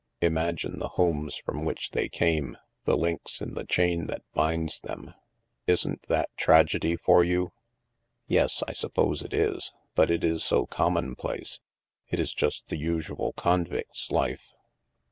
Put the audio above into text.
Imagine the homes from which they came, the links in the chain that binds them. Isn't that tragedy for you ?"" Yes, I suppose it is. But it is so commonplace. It is just the usual convict's life."